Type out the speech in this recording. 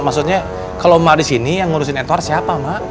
maksudnya kalau emak di sini yang ngurusin encor siapa mak